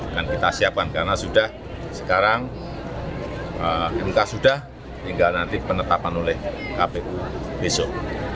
dan kita siapkan karena sudah sekarang mk sudah tinggal nanti penetapan oleh kpu besok